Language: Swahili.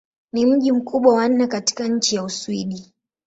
Ni mji mkubwa wa nne katika nchi wa Uswidi.